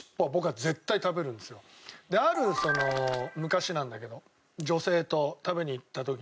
ある昔なんだけど。